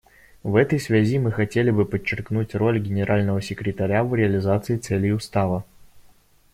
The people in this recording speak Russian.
В этой связи мы хотели бы подчеркнуть роль Генерального секретаря в реализации целей Устава.